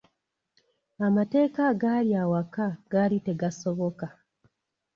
Amateeka agaali awaka gaali tegasoboka.